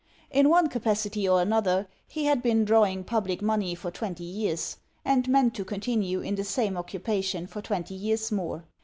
In one capacity or another, he had been drawing public money for twenty years; and meant to continue in the same occupation for twenty years more.